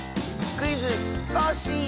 「クイズ！コッシー」！